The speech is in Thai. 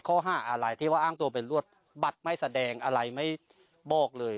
ข้อหาอะไรที่ว่าอ้างตัวเป็นรวดบัตรไม่แสดงอะไรไม่บอกเลย